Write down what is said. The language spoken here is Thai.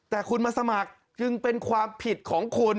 แต่คุณมาสมัครจึงเป็นความผิดของคุณ